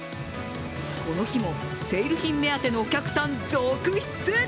この日もセール品目当てのお客さん続出！